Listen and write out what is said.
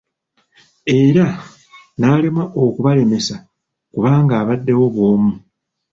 Era n'alemwa okubalemesa kubanga abaddewo bwomu.